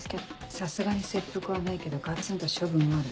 さすがに切腹はないけどガツンと処分はある。